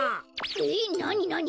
えっなになに？